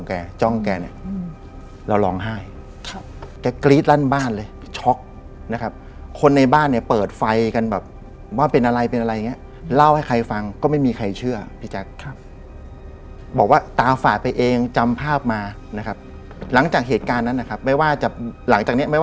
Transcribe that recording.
ก็เลยลองไป